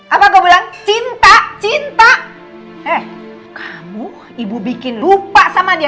apa kamu bilang cinta cinta eh kamu ibu bikin lupa sama dia